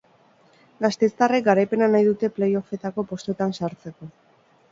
Gasteiztarrek garaipena nahi dute play-offetako postuetan sartzeko.